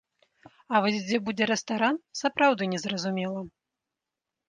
А вось дзе будзе рэстаран, сапраўды незразумела.